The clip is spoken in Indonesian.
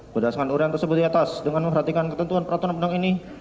berdasarkan urian tersebut di atas dengan memperhatikan ketentuan peraturan undang undang ini